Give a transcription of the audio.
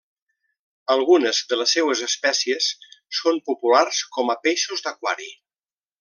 Algunes de les seues espècies són populars com a peixos d'aquari.